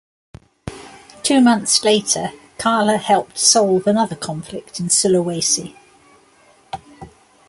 Two months later, Kalla helped solve another conflict in Sulawesi.